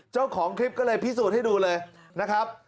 เจ้าของคลิปก็เลยพิสูจน์ให้ดูเลยนะครับ